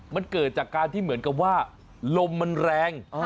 มันเกิดจากการที่เหมือนกับว่าลมมันแรง